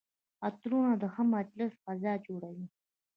عطرونه د ښه مجلس فضا جوړوي.